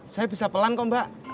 saya bisa pelan kok mbak